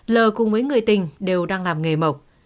lờ cùng với người tình đều đang làm nghề mộc